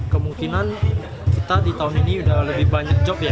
kemungkinan kita di tahun ini sudah lebih banyak job ya